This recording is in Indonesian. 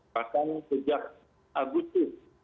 bahkan sejak agustus